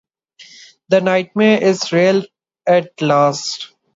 The nightmare is real at last.